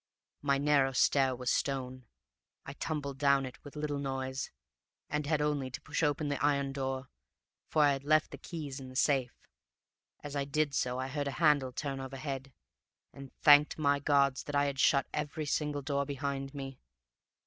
"My narrow stair was stone, I tumbled down it with little noise, and had only to push open the iron door, for I had left the keys in the safe. As I did so I heard a handle turn overhead, and thanked my gods that I had shut every single door behind me.